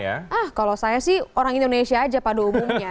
ah kalau saya sih orang indonesia aja pada umumnya